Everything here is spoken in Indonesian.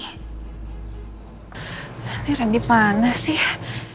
ini randy mana sih